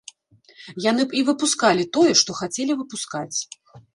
Яны б і выпускалі тое, што хацелі выпускаць.